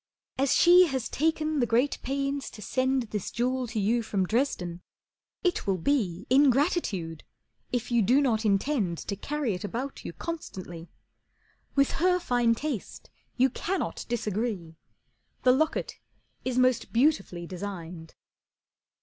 As she has taken the great pains to send This jewel to you from Dresden, it will be Ingratitude if you do not intend To carry it about you constantly. With her fine taste you cannot disagree, The locket is most beautifully designed."